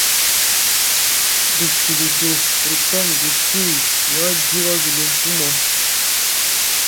Bitili du ri pɔgi bikwii yɔ digɔ bile mpumɔ.